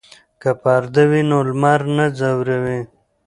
که پرده وي نو لمر نه ځوروي.